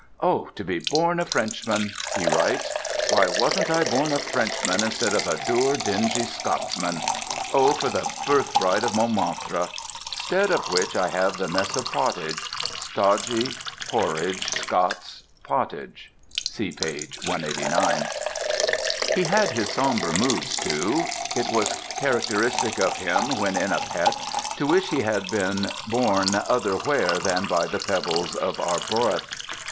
"Oh, to be born a Frenchman!" he writes. "Why wasn't I born a Frenchman instead of a dour, dingy Scotsman? Oh, for the birthright of Montmartre! Stead of which I have the mess of pottage—stodgy, porridgy Scots pottage" (see p. 189). He had his sombre moods, too. It was characteristic of him, when in a pet, to wish he had been born other where than by the pebbles of Arbroath.